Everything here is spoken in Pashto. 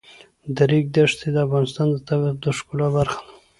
د ریګ دښتې د افغانستان د طبیعت د ښکلا برخه ده.